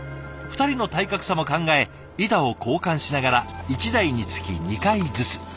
２人の体格差も考え板を交換しながら１台につき２回ずつ。